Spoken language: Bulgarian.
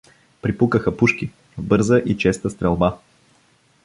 Припукаха пушки — бърза и честа стрелба.